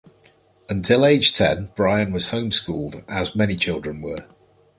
Until age ten, Bryan was home-schooled, as many children were.